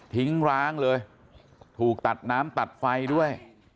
ร้างเลยถูกตัดน้ำตัดไฟด้วย